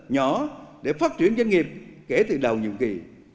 nhỏ để phát triển doanh nghiệp kể từ đầu nhiệm kỳ